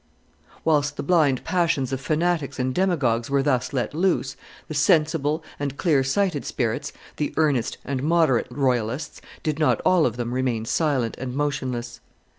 Whilst the blind passions of fanatics and demagogues were thus let loose, the sensible and clear sighted spirits, the earnest and moderate royalists, did not all of them remain silent and motionless.